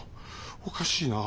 おかしいなあ。